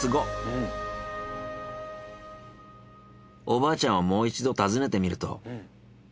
おばあちゃんをもう一度訪ねてみると。